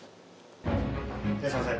いらっしゃいませ。